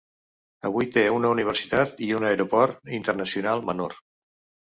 Avui té una universitat i un aeroport internacional menor.